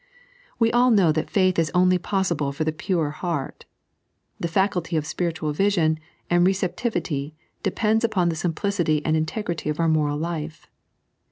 We all know that faith is only possible for the pure heart. The faculty of epirituai vision and receptivity depends upon the simplicity and int^rity of oiu: moral life.